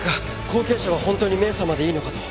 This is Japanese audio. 後継者は本当にメイさまでいいのかと。